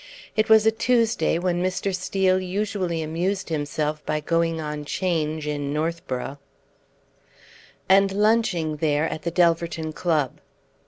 It was a Tuesday, when Mr. Steel usually amused himself by going on 'Change in Northborough and lunching there at the Delverton Club.